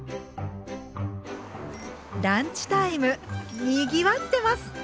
ランチタイムにぎわってます！